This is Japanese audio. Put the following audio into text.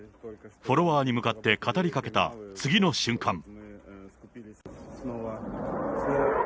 フォロワーに向かって語りかけた次の瞬間。